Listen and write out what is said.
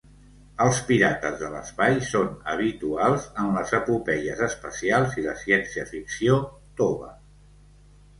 Els pirates de l'espai són habituals en les epopeies espacials i la ciència ficció tova.